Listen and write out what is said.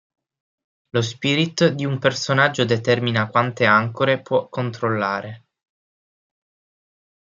Lo Spirit di un personaggio determina quante Ancore può controllare.